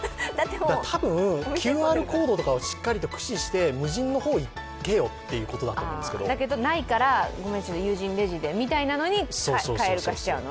多分、ＱＲコードをしっかりと駆使して無人の方へ行けよってことだと思うんですけどだけど、ないから有人レジでナシになっちゃうの？